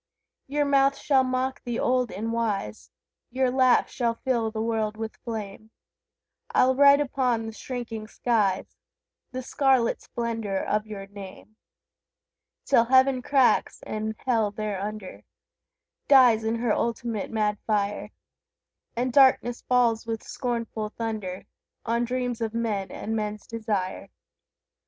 Your mouth shall mock the old and wise, Your laugh shall fill the world with flame, I'll write upon the shrinking skies The scarlet splendour of your name, Till Heaven cracks, and Hell thereunder Dies in her ultimate mad fire, And darkness falls, with scornful thunder, On dreams of men and men's desire.